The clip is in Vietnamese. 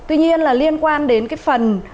tuy nhiên là liên quan đến cái phần